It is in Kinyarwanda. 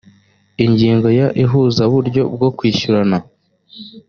ingingo ya ihuzaburyo bwo kwishyurana